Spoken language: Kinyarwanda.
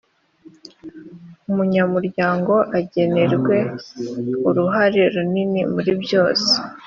umunyamuryango agenerwe uruhare runini muri byose